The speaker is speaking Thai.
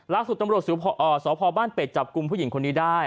ล่าสุดตำรวจสพบ้านเป็ดจับกลุ่มผู้หญิงคนนี้ได้